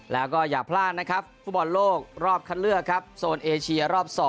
แล้วก็อย่าพลาดนะครับฟุตบอลโลกรอบคัดเลือกครับโซนเอเชียรอบ๒